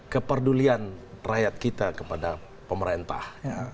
keperdulian rakyat kita kepada pemerintah